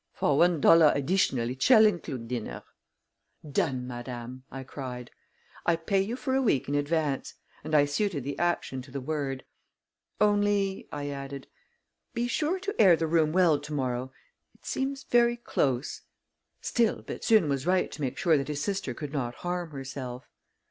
"For one dollar additional it shall include dinner." "Done, madame!" I cried. "I pay you for a week in advance," and I suited the action to the word. "Only," I added, "be sure to air the room well to morrow it seems very close. Still, Bethune was right to make sure that his sister could not harm herself."